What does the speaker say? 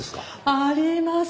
あります！